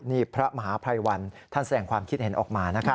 นี่พระมหาภัยวันท่านแสดงความคิดเห็นออกมานะครับ